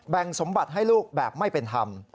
สมบัติให้ลูกแบบไม่เป็นธรรม